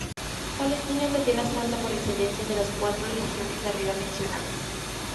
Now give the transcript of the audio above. Palestina es la tierra santa por excelencia de las cuatro religiones arriba mencionadas.